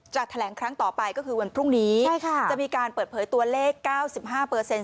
แถลงครั้งต่อไปก็คือวันพรุ่งนี้ใช่ค่ะจะมีการเปิดเผยตัวเลขเก้าสิบห้าเปอร์เซ็นต